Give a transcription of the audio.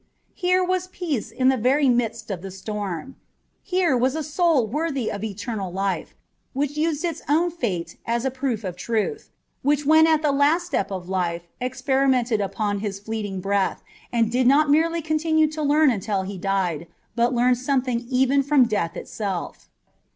Here was peace in the very midst of the storm : here was a soul worthy of eternal life, which used its own fate as a proof of truth, which when at the last step of life experimented upon his fleeting breath, and did not merely continue to learn until he died, but learned something even from death itself.